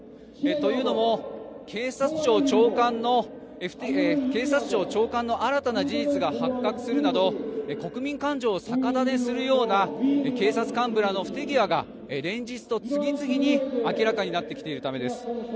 というのも警察庁長官の新たな事実が発覚するなど国民感情を逆なでするような警察幹部らの不手際が連日次々に明らかになってきているためです。